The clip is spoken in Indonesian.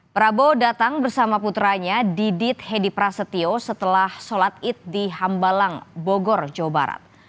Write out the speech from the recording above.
prabowo datang bersama putranya didit hedi prasetyo setelah sholat id di hambalang bogor jawa barat